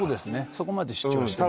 そこまで主張してない